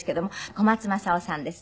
小松政夫さんです。